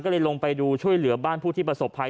ก็เลยลงไปดูช่วยเหลือบ้านผู้ที่ประสบภัย